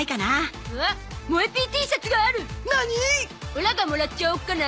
オラがもらっちゃおうかな？